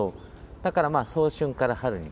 だから早春から春に。